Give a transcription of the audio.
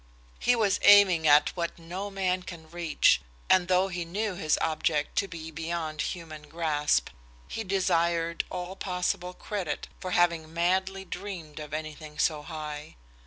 He was aiming at what no man can reach, and though he knew his object to be beyond human grasp, he desired all possible credit for having madly dreamed of anything so high.